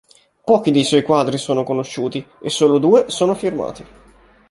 Pochi dei suoi quadri sono conosciuti, e solo due sono firmati.